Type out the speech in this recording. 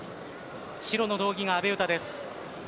白の道着が阿部詩です。